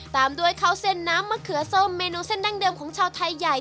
ตามด้วยข้าวเส้นน้ำมะเขือส้มเมนูเส้นดั้งเดิมของชาวไทยใหญ่